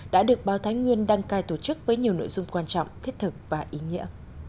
đã được báo thái nguyên đăng cai tổ chức với nhiều nội dung quan trọng thiết thực và ý nghĩa